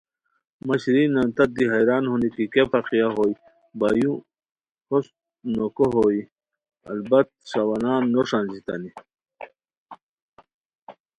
مہ شیرین نان تت دی حیران ہونی کی کیہ فاقیہ ہوئے بایو ہوست کو نو ہوئے البت ݰاوانان نو ݰانجیتانیا